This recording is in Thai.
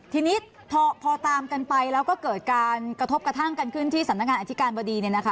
ทีนี้พอตามกันไปแล้วก็เกิดการกระทบกระทั่งกันขึ้นที่สำนักงานอธิการบดี